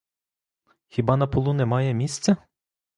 Хіба на полу немає місця?